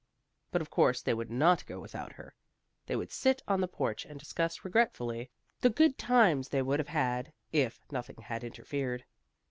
But, of course, they would not go without her. They would sit on the porch and discuss regretfully the good times they would have had if nothing had interfered.